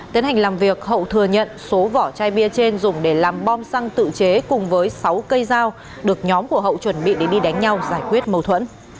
tiến hành làm việc hậu thừa nhận số vỏ chai bia trên dùng để làm bom xăng tự chế cùng với sáu cây dao được nhóm của hậu chuẩn bị để đi đánh nhau giải quyết mâu thuẫn